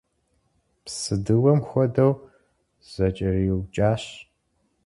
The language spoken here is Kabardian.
Псыдыуэм хуэдэу зыкӏэриукӏащ.